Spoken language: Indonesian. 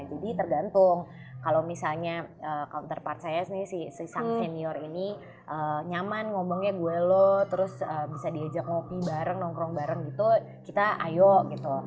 jadi tergantung kalau misalnya counterpart saya ini si senior ini nyaman ngomongnya gue lo terus bisa diajak ngopi bareng nongkrong bareng gitu kita ayo gitu